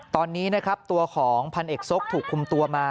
ตอนนี้นะครับตัวของพันเอกซกถูกคุมตัวมา